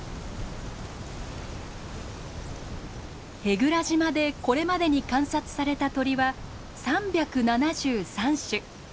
舳倉島でこれまでに観察された鳥は３７３種。